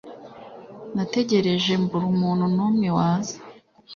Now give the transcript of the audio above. Nategereje mbura umuntu numwe waza